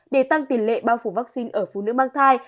để tăng tỷ lệ bao phủ vaccine ở phụ nữ mang thai